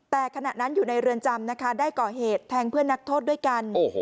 แต่ขณะนั้นอยู่ในเรือนจำนะคะได้ก่อเหตุแทงเพื่อนนักโทษด้วยกัน